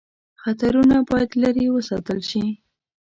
خطرونه باید لیري وساتل شي.